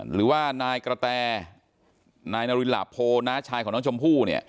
หรือว่านายกระแตนายนารินหลาโพน้าชายของน้องชมพู่เนี่ย